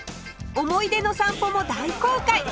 思い出の散歩も大公開